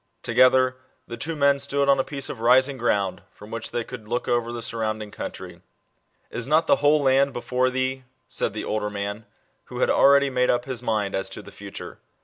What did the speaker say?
Together, the two men stood on a piece of rising ground, from which they could look over the nrrounding country. " Is not the whole land before thee ?" said the older man, who had already made up his mind as to the future.